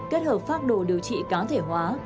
kết hợp phác đồ điều trị cá thể hóa